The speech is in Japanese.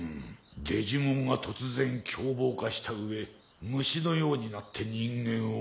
デジモンが突然凶暴化した上虫のようになって人間を襲う。